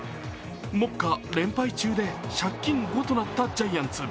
もっか連敗中で借金５となったジャイアンツ。